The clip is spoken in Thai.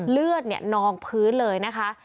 เลือดนองพื้นเลยนะคะ